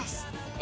え！